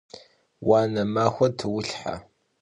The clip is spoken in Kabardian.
Vuane maxue tuulhhe!